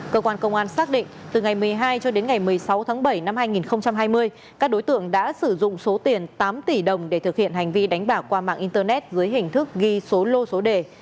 cơ quan công an xác định từ ngày một mươi hai cho đến ngày một mươi sáu tháng bảy năm hai nghìn hai mươi các đối tượng đã sử dụng số tiền tám tỷ đồng để thực hiện hành vi đánh bạc qua mạng internet dưới hình thức ghi số lô số đề